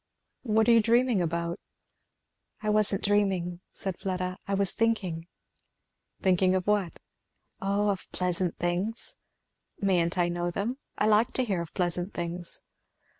"What are you dreaming about?" "I wasn't dreaming," said Fleda, "I was thinking." "Thinking of what?" "O of pleasant things." "Mayn't I know them? I like to hear of pleasant things."